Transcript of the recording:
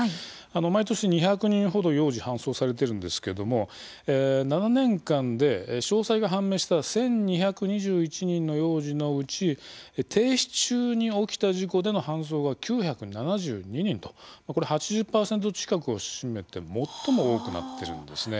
毎年２００人ほど幼児搬送されてるんですけども７年間で詳細が判明した１，２２１人の幼児のうち停止中に起きた事故での搬送が９７２人とこれ８０％近くを占めて最も多くなってるんですね。